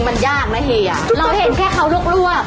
เราเห็นแค่เขาลวก